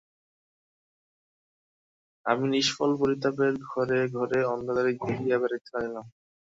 আমি নিষ্ফল পরিতাপে ঘরে ঘরে অন্ধকারে ঘুরিয়া বেড়াইতে লাগিলাম।